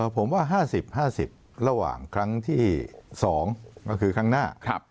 ผมว่า๕๐๕๐ระหว่างครั้งที่๒ก็คือครั้งหน้า